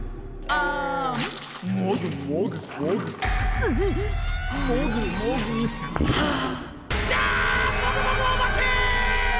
ああ。